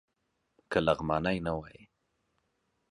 که لغمانی نه وای.